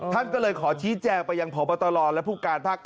ท่านก็เลยขอชี้แจงไปยังผอปตรรรณและผู้การภักดิ์